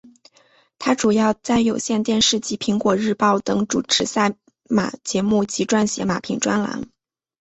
她主要在有线电视及苹果日报等主持赛马节目及撰写马评专栏。